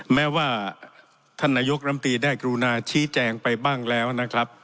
แม้ว่าท่านนายกรรมตรีได้กรุณาชี้แจงไปบ้างแล้วนะครับ